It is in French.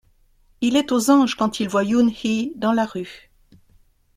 Il est aux anges quand il voit Yoon-hee dans la rue.